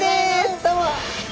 どうも。